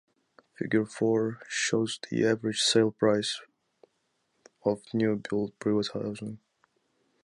Figure four shows the average sale price of new build private housing.